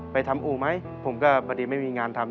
ไปทำอู่ไหมผมก็พอดีไม่มีงานทำ